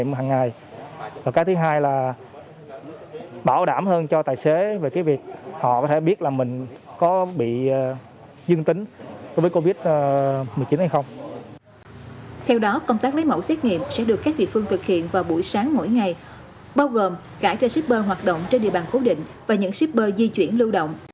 sáng mỗi ngày bao gồm khải cho shipper hoạt động trên địa bàn cố định và những shipper di chuyển lưu động